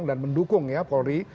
dan mendukung ya polri